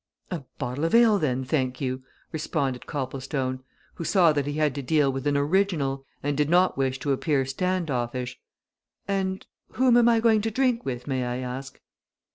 "A bottle of ale, then, thank you," responded Copplestone, who saw that he had to deal with an original, and did not wish to appear stand offish. "And whom am I going to drink with, may I ask?"